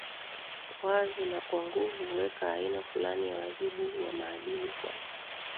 wazi na kwa nguvu huweka aina fulani ya wajibu wa maadili kwa